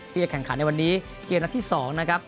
จะแข่งขันในวันนี้เกมนัดที่๒นะครับ